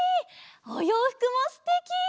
おようふくもすてき！